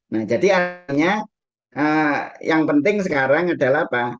nah jadi artinya yang penting sekarang adalah apa